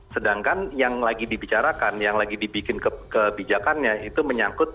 sedangkan yang lagi dibicarakan yang lagi dibikin kebijakannya itu menyangkut